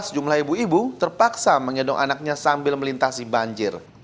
sejumlah ibu ibu terpaksa mengendong anaknya sambil melintasi banjir